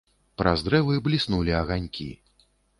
Праз дрэвы бліснулі аганькі.